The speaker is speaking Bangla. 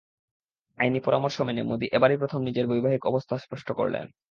আইনি পরামর্শ মেনে মোদি এবারই প্রথম নিজের বৈবাহিক অবস্থা স্পষ্ট করলেন।